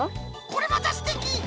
これまたすてき！